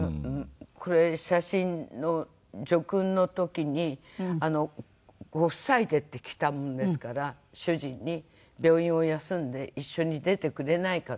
これ写真の叙勲の時に「ご夫妻で」ってきたものですから主人に「病院を休んで一緒に出てくれないか」と。